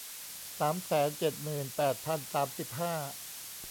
สามแสนเจ็ดหมื่นแปดพันสามสิบห้า